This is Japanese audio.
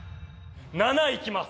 ７いきます！